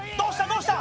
どうした？